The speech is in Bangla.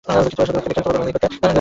শুরুতে বিক্ষিপ্তভাবে বোলিং করতেন।